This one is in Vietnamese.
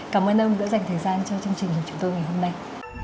cảm ơn ông đã dành thời gian cho chương trình của chúng tôi ngày hôm nay